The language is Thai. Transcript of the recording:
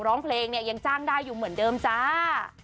ร้องเพลงเนี่ยยังจ้างได้อยู่เหมือนเดิมจ้า